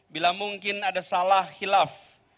bila mungkin ada salah hilaf